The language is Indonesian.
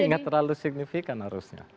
ini tidak terlalu signifikan harusnya